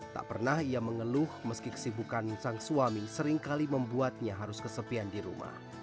tak pernah ia mengeluh meski kesibukan sang suami seringkali membuatnya harus kesepian di rumah